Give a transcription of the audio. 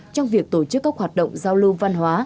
trong việc tổ chức các hoạt động giao lưu văn hóa